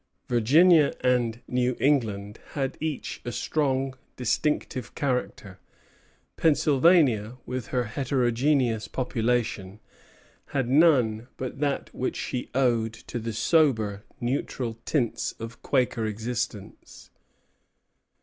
Virginia and New England had each a strong distinctive character. Pennsylvania, with her heterogeneous population, had none but that which she owed to the sober neutral tints of Quaker existence.